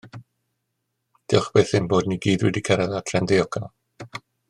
Diolch byth ein bod ni i gyd wedi cyrraedd adre'n ddiogel.